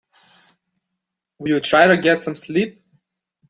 Will you try to get some sleep?